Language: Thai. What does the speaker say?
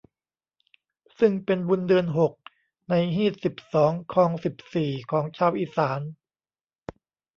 ซึ่งเป็นบุญเดือนหกในฮีตสิบสองคองสิบสี่ของชาวอีสาน